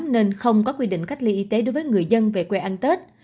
nên không có quy định cách ly y tế đối với người dân về quê ăn tết